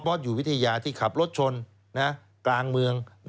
อยู่วิทยาที่ขับรถชนกลางเมือง